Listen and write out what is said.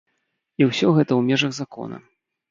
І усё гэта ў межах закона.